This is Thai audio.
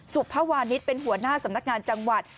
สุภาวานิสเป็นหัวหน้าสำนักงานจังหวัด